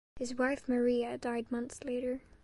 His wife Maria died months later.